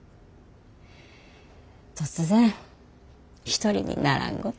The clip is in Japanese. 突然一人にならんごと。